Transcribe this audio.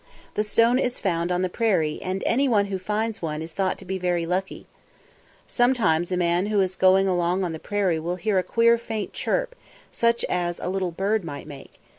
The stone is found on the prairie, and any one who finds one is thought to be very lucky. Sometimes a man who is going along on the prairie will hear a queer faint chirp, such as a little bird might make.